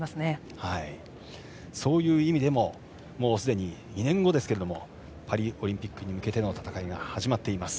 そういう意味でもすでに２年後ですがパリオリンピックに向けての戦いが始まっています。